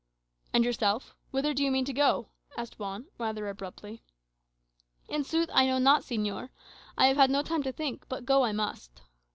"And yourself? whither do you mean to go?" asked Juan, rather abruptly. "In sooth, I know not, señor. I have had no time to think. But go I must."